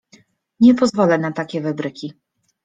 Nie pozwolę na takie wybryki.